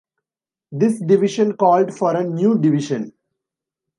This division called for a new division.